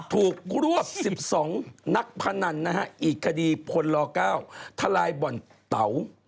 ถูกรวบ๑๒นักพนันอีกคดีพลล๙ทลายบ่อนเต๋า